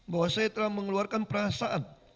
bahwa saya telah mengeluarkan perasaan